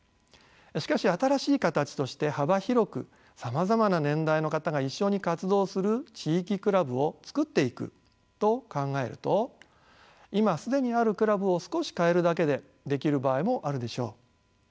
しかし新しい形として幅広くさまざまな年代の方が一緒に活動する地域クラブを作っていくと考えると今既にあるクラブを少し変えるだけでできる場合もあるでしょう。